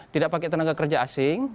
tidak pakai tenaga kerja asing